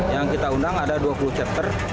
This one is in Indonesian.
yang kita undang ada dua puluh chapter